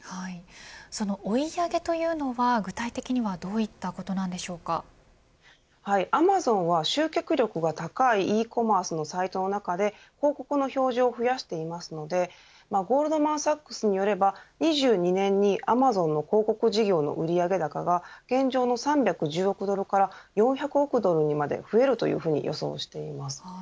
その追い上げというのは具体的にはアマゾンは集客力が高いｅコマースのサイトの中で広告の表示を増やしていますのでゴールドマン・サックスによれば２２年にアマゾンの広告事業の売上高が現状の３１０億ドルから４００億ドルにまで増えるというふうに予想しています。